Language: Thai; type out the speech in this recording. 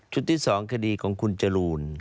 ชุดที่สองคดีของคุณจรูล